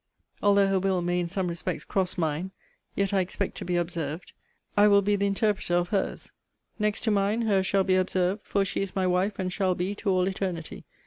Although her will may in some respects cross mine, yet I expect to be observed. I will be the interpreter of her's. Next to mine, her's shall be observed: for she is my wife, and shall be to all eternity.